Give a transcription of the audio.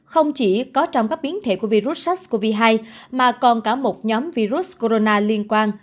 không chỉ có trong các biến thể của virus sars cov hai mà còn cả một nhóm virus corona liên quan